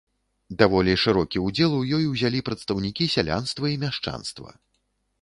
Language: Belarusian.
Даволі шырокі ўдзел у ёй узялі прадстаўнікі сялянства і мяшчанства.